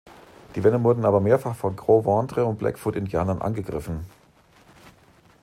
Die Männer wurden aber mehrfach von Gros Ventre- und Blackfoot-Indianern angegriffen.